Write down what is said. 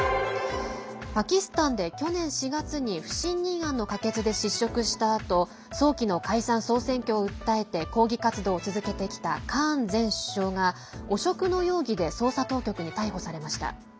パキスタンで去年４月に不信任案の可決で失職したあと早期の解散・総選挙を訴えて抗議行動を続けてきたカーン前首相が汚職の容疑で捜査当局に逮捕されました。